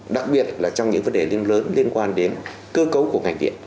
đặc biệt là trong những vấn đề lớn liên quan đến cơ cấu của ngành điện